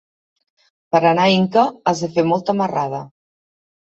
Per anar a Inca has de fer molta marrada.